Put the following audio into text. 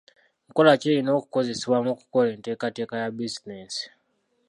Nkola ki erina okukozesebwa mu kukola enteekateeka ya bizinensi?